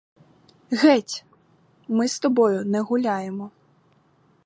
Геть, — ми з тобою не гуляємо.